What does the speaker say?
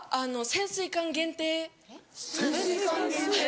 潜水艦限定？